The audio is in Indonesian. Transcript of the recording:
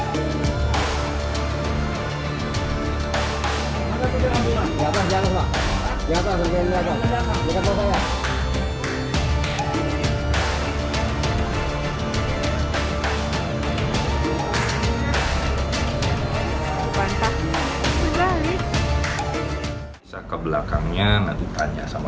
bisa ke belakangnya nanti tanya sama